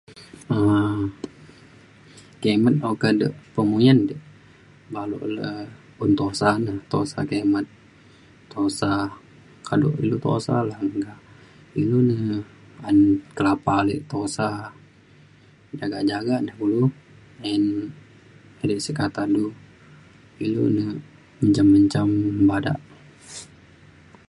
um kimet o ka du penguyan dik baluk le un tusah ne tusah kimet tusah kado ilu tusah la meka inu ne ban kelapa ale tusah jagak jagak da kulu ayen edai sik kata du. ilu na menjam menjam bada